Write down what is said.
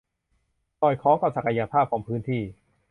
สอดคล้องกับศักยภาพของพื้นที่